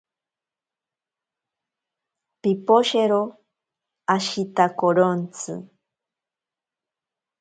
Piposhero ashitakorontsi.